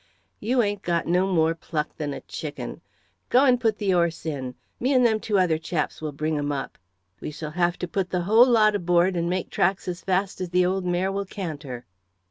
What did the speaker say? "You ain't got no more pluck than a chicken. Go and put the 'orse in! Me and them other two chaps will bring 'em up. We shall have to put the whole lot aboard, and make tracks as fast as the old mare will canter."